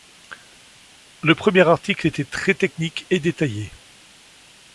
Le premier article était très technique et détaillé.